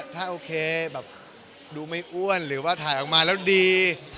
ถ้าโอเคแบบดูไม่อ้วนหรือว่าถ่ายออกมาแล้วดี